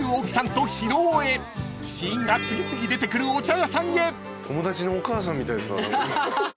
［試飲が次々出てくるお茶屋さんへ］